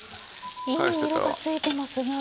いい色がついてますが。